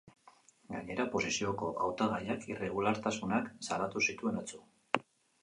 Gainera, oposizioko hautagaiak irregulartasunak salatu zituen atzo.